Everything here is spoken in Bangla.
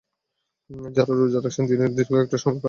যাঁরা রোজা রাখছেন, দিনের দীর্ঘ একটা সময় তাঁদের খালি পেটে থাকতে হয়।